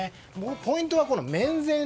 ポイントは面前ＤＶ。